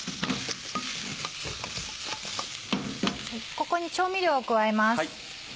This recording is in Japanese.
ここに調味料を加えます。